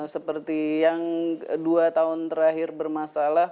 seperti yang dua tahun terakhir bermasalah